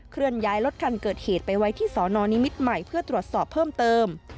เลื่อนย้ายรถคันเกิดเหตุไปไว้ที่สนนิมิตรใหม่เพื่อตรวจสอบเพิ่มเติม